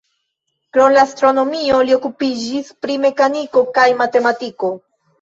Krom la astronomio li okupiĝis pri mekaniko kaj matematiko.